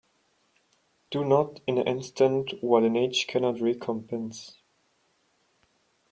Do not in an instant what an age cannot recompense.